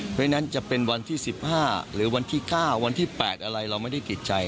เพราะฉะนั้นจะเป็นวันที่๑๕หรือวันที่๙วันที่๘อะไรเราไม่ได้ติดใจ